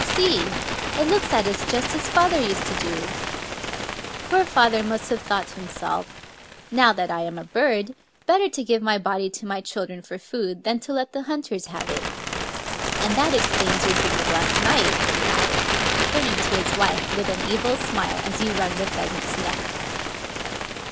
See! it looks at us just as father used to do I ... Poor father must have thought to himself, * Now that I am a birdy better to give tny body to my children for food than to let the hunters have it.^ ... And that explains your dream of last night," he added, — turning to his wife with an evil smile as he wrung the pheasant's neck.